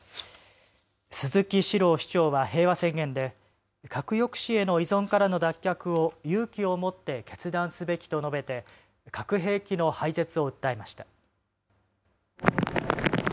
鈴木史朗市長は平和宣言で核抑止への依存からの脱却を勇気を持って決断すべきと述べて核兵器の廃絶を訴えました。